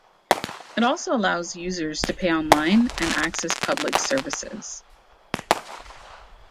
It also allows users to pay online and access public services.